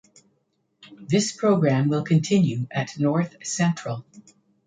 This program will continue at North Central.